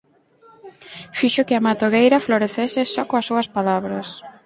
Fixo que a matogueira florecese só coas súas palabras!